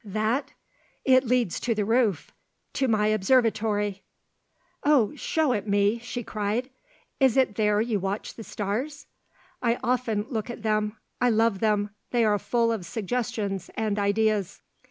"That? It leads to the roof, to my observatory." "Oh show it me," she cried. "Is it there you watch the stars?" "I often look at them. I love them; they are full of suggestions and ideas."